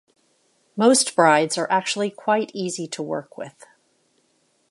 Most brides are actually quite easy to work with.